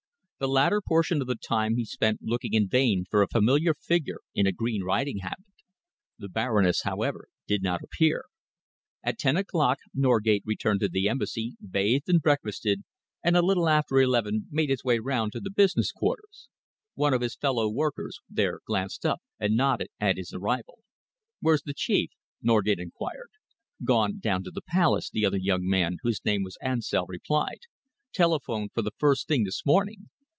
The latter portion of the time he spent looking in vain for a familiar figure in a green riding habit. The Baroness, however, did not appear. At ten o'clock Norgate returned to the Embassy, bathed and breakfasted, and a little after eleven made his way round to the business quarters. One of his fellow workers there glanced up and nodded at his arrival. "Where's the Chief?" Norgate enquired. "Gone down to the Palace," the other young man, whose name was Ansell, replied; "telephoned for the first thing this morning.